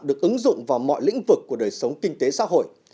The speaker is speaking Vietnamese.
được ứng dụng vào mọi lĩnh vực của đời sống kinh tế xã hội